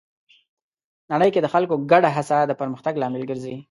نړۍ کې د خلکو ګډه هڅه د پرمختګ لامل ګرځي.